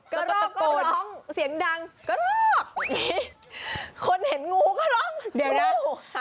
กระรอกก็ร้องเสียงดังกระรอกคนเห็นงูก็ร้องหู